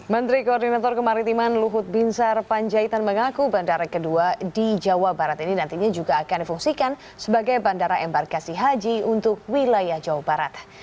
menteri koordinator kemaritiman luhut binsar panjaitan mengaku bandara kedua di jawa barat ini nantinya juga akan difungsikan sebagai bandara embarkasi haji untuk wilayah jawa barat